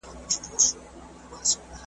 تنها ښه نه یې زه به دي یارسم ,